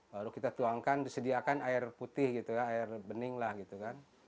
lalu kita tuangkan disediakan air putih gitu ya air bening lah gitu kan